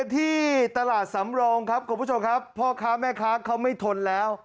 ที่ตลาดสำโรงครับคุณผู้ชมครับพ่อค้าแม่ค้าเขาไม่ทนแล้ว